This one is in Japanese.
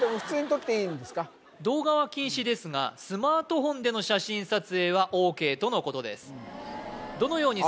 ここはでも動画は禁止ですがスマートフォンでの写真撮影はＯＫとのことです